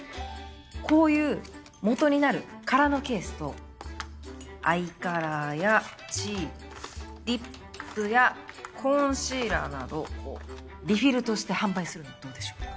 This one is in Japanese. こういう元になる空のケースとアイカラーやチークリップやコンシーラーなどこうリフィルとして販売するのはどうでしょう？